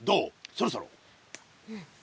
そろそろ。